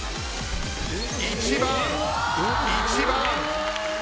１番１番。